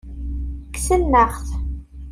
Kksen-aɣ-t.